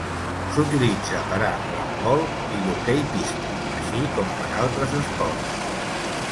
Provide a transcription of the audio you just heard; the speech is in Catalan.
S'utilitza per a l'handbol i l'hoqueipista, així com per a altres esports.